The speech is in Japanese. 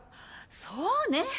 そうね！